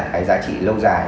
cái giá trị lâu dài